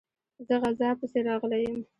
زه غزا پسي راغلی یم.